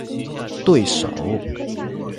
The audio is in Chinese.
对手